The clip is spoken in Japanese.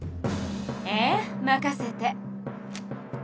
ええまかせて！